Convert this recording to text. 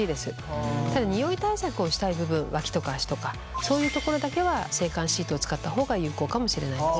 ただニオイ対策をしたい部分脇とか足とかそういうところだけは制汗シートを使った方が有効かもしれないです。